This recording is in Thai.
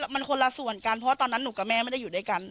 มันคนละส่วนกันเพราะว่าตอนนั้นหนูกับแม่ไม่ได้อยู่ด้วยกัน